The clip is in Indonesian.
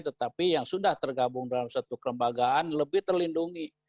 tetapi yang sudah tergabung dalam satu kelembagaan lebih terlindungi